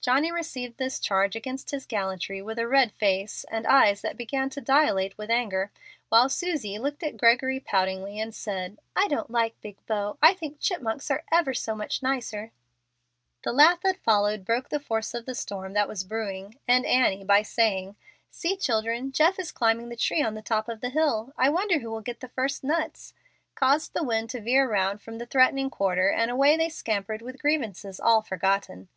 Johnny received this charge against his gallantry with a red face and eyes that began to dilate with anger, while Susie looked at Gregory poutingly and said, "I don't like big beaux. I think chipmonks are ever so much nicer." The laugh that followed broke the force of the storm that was brewing; and Annie, by saying, "See, children, Jeff is climbing the tree on top of the hill; I wonder who will get the first nuts," caused the wind to veer round from the threatening quarter, and away they scampered with grievances all forgotten.